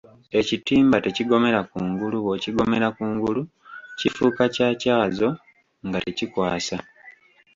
Ekitimba tekigomera kungulu bw'okigomera kungulu kifuuka kya kyazo nga tekikwasa.